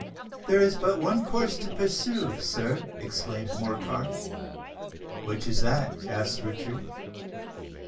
"There is but one course to pursue, sir," exclaimed Morcar. "Which is that?" asked Richard.